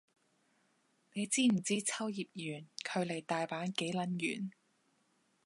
你知唔知秋葉原距離大阪幾撚遠